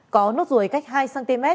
có nốt ruồi cách hai cm